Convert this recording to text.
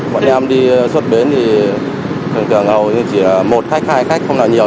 bọn em đi xuất bến thì thường thường hầu như chỉ là một khách hai khách không nào nhiều